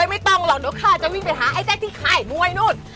ไม่ต้องหรอกเดี๋ยวข้าจะวิ่งไปหาไอ้แจ๊คที่ค่ายมวยนู่น